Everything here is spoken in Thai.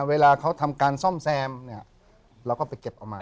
เวลาเขาทำการซ่อมแซมเนี่ยเราก็ไปเก็บเอามา